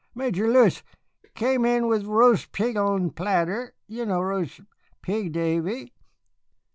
Major Lewis came in with roast pig on platter. You know roast pig, Davy?...